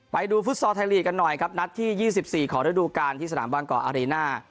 ฟุตซอลไทยลีกกันหน่อยครับนัดที่๒๔ของฤดูการที่สนามบางกอกอารีน่า